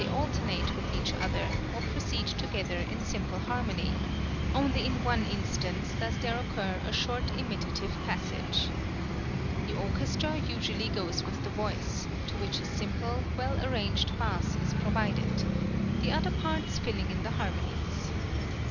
} (94) alternate with each other, or proceed together in simple harmony; only in one instance does there occur a short imitative passage. The orchestra usually goes with the voice, to which a simple, well arranged bass is provided, the other parts filling in the harmonies.